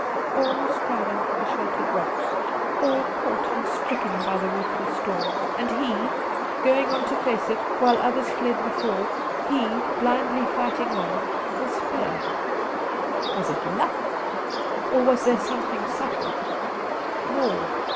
All striving for the sheltering rocks; all caught and stricken by the ruthless storm; and he, going on to face it, while others fled before he, blindly fighting on was spared. Was it luck? Or was there something subtle, more?